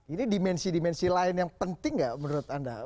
ini dimensi dimensi lain yang penting nggak menurut anda